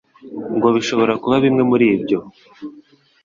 ngo bishobora kuba bimwe muribyo